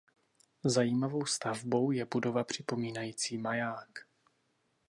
Zajímavou stavbou je budova připomínající maják.